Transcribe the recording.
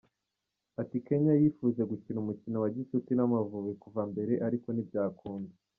Ati “Kenya yifuje gukina umukino wa gicuti n’Amavubi kuva mbere ariko ntibyakunda.